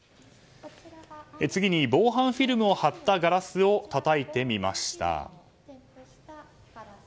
次に防犯フィルムを貼ったガラスをたたいてみました。